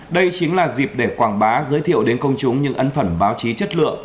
đây chính là dịp để quảng bá giới thiệu đến công chúng những ấn phẩm báo chí chất lượng